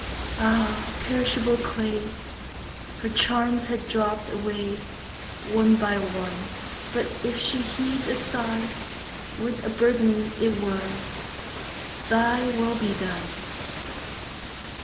Ah, perishable clay! Her charms had dropp'd awayOne by one; But if she heav'd a sighWith a burden, it was, "ThyWill be done."